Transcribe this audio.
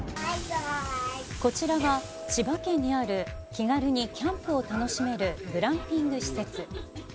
こちらは、千葉県にある気軽にキャンプを楽しめるグランピング施設。